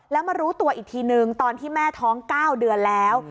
แล้วมารู้ตัวอีกทีนึงตอนที่แม่ท้อง๙เดือนแล้ว